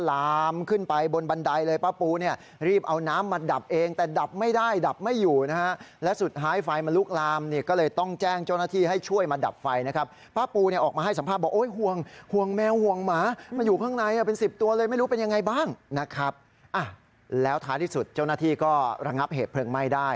แล้วท้ายที่สุดเจ้าหน้าที่ก็ระงับเหตุเพลิงไม่ได้